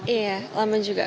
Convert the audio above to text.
iya lama juga